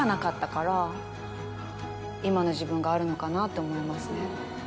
今の自分があるのかなって思いますね。